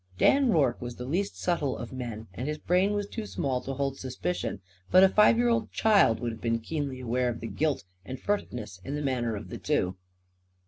Dan Rorke was the least subtle of men; and his brain was too small to hold suspicion. But a five year old child would have been keenly aware of the guilt and furtiveness in the manner of the two.